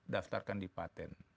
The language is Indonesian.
daftarkan di patent